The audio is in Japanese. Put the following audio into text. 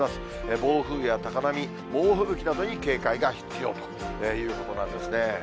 暴風や高波、猛吹雪などに警戒が必要ということなんですね。